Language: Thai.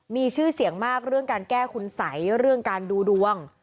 มีชื่อเสียงมากเรื่องการแก้คุณสัยเรื่องการดูดวง